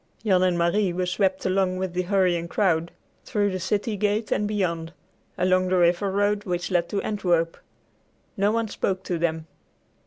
Jan and Marie were swept along with the hurrying crowd, through the city gate and beyond, along the river road which led to Antwerp. No one spoke to them.